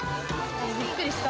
びっくりした。